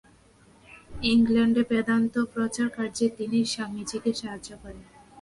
ইংলণ্ডে বেদান্ত-প্রচারকার্যে তিনি স্বামীজীকে সাহায্য করেন।